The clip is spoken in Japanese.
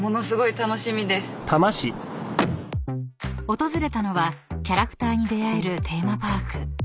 ［訪れたのはキャラクターに出会えるテーマパーク］